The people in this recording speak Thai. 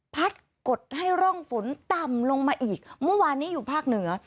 กดให้ร่องฝนต่ำลงมาอีกเมื่อวานนี้อยู่ภาคเหนือ